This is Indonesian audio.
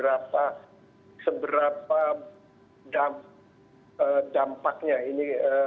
apa seberapa dampaknya ini